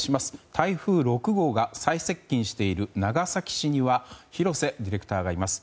台風６号が最接近している長崎市には廣瀬ディレクターがいます。